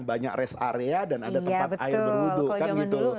banyak rest area dan ada tempat air berwudu